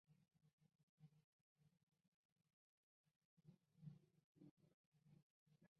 飞蝇钓的特色为使用有重量的线抛投来带动很轻的假饵。